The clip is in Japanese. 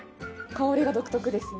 香りが独特です。